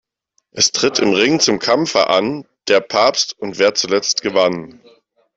Es tritt im Ring zum Kampfe an: Der Papst und wer zuletzt gewann.